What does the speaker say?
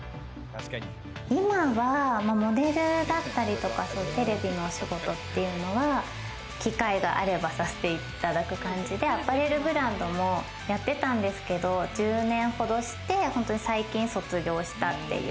今は、モデルだったりとか、テレビのお仕事っていうのは機会があればさせていただいく感じで、アパレルブランドもやってたんですけど、１０年ほどして、最近卒業したっていう。